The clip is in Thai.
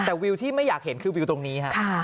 แต่วิวที่ไม่อยากเห็นคือวิวตรงนี้ฮะ